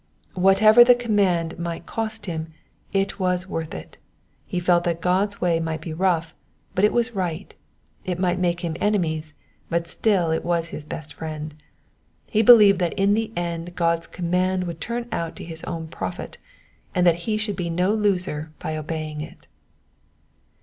Whatever the command might cost him it was worth it ; he felt that God's way might be rough, but it was right ; it might make him enemies, but still it was his best friend. He believed that in the end God's command would turn out to his own profit, and that he should be no loser by obeying it.